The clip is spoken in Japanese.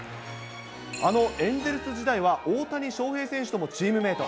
あのエンゼルス時代は、大谷選手ともチームメート。